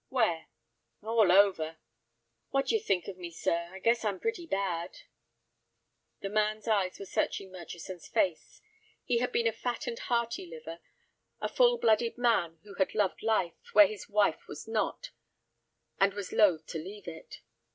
"Where?" "All over. What d'you think of me, sir? I guess I'm pretty bad." The man's eyes were searching Murchison's face. He had been a fat and hearty liver, a full blooded man who had loved life, where his wife was not, and was loath to leave it.